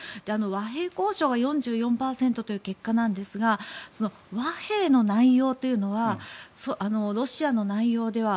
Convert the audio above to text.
和平交渉が４４％という結果なんですが和平の内容というのはロシアの内容では